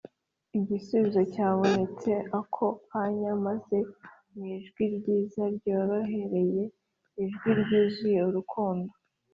igisubizo cyabonetse ako kanya maze mu ijwi ryiza ryorohereye, ijwi ryuzuye urukundo,